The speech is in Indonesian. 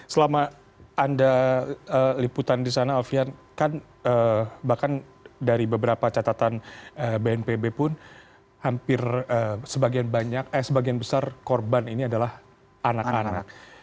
selama anda liputan di sana alfian kan bahkan dari beberapa catatan bnpb pun hampir sebagian banyak eh sebagian besar korban ini adalah anak anak